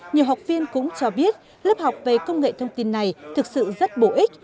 nhiều học viên cũng cho biết lớp học về công nghệ thông tin này thực sự rất bổ ích